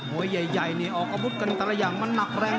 โหยใหญ่เนี่ยออกอบุตรกันตรายังมันหนักแรง